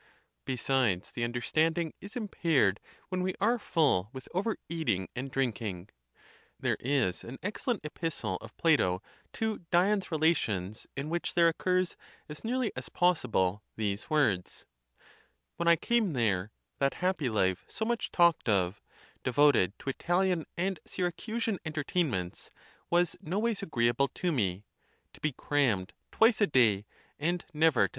Besides, the understanding is impaired when we are full with overeating and drinking. There is an excellent epistle of Plato to Dion's relations, in which there occurs as nearly as possible these words: " When I came there, that happy life so much talked of, devoted to Italian and Syracusan entertainments, was noways agree able to me; to be crammed twice a day, and never to 200 . THE TUSCULAN DISPUTATIONS.